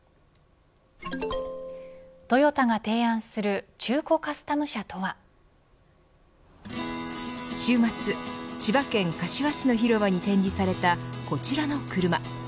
トヨタが提案する中古カスタム車週末、千葉県柏市の広場に展示されたこちらの車。